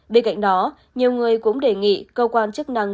bên cạnh đó nhiều người cũng đề nghị cơ quan chức năng